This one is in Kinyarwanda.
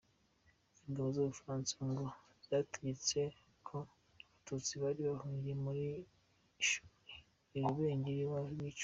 Ingabo z’Ubufaransa ngo zategetse ko abatutsi bari bahungiye mu ishuri i Rubengera bicwa.